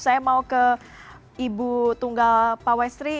saya mau ke ibu tunggal pawestri